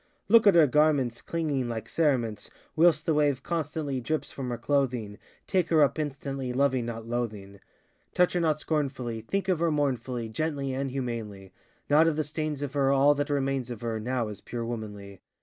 Look at her garments Clinging like cerements; Whilst the wave constantly Drips from her clothing; Take her up instantly, Loving not loathing. Touch her not scornfully; Think of her mournfully, Gently and humanly; Not of the stains of her, All that remains of her Now is pure womanly.